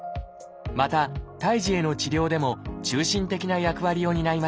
また胎児への治療でも中心的な役割を担いました。